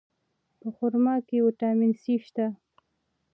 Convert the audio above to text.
په خرما کې ویټامین C شته.